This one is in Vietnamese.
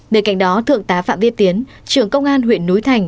bề cạnh đó thượng tá phạm viết tiến trường công an huyện núi thành